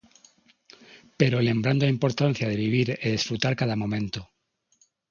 Pero lembrando a importancia de vivir e desfrutar cada momento.